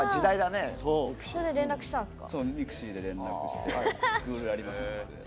それで連絡したんですか。